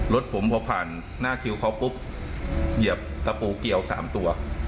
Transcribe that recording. รถผมพอผ่านหน้าคิวเขาปุ๊บเหยียบตะปูเกี่ยว๓ตัว